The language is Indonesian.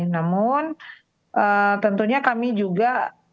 namun tentunya kami juga